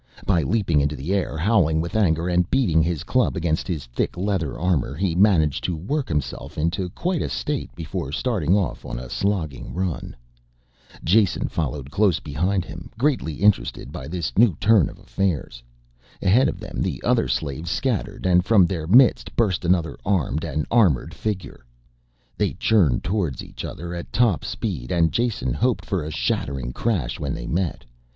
By leaping into the air, howling with anger and beating his club against his thick leather armor he managed to work himself into quite a state before starting off on a slogging run. Jason, followed close behind him, greatly interested by this new turn of affairs. Ahead of them the other slaves scattered and from their midst burst another armed and armored figure. They churned towards each other at top speed and Jason hoped for a shattering crash when they met.